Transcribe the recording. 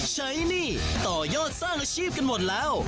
หนี้ต่อยอดสร้างอาชีพกันหมดแล้ว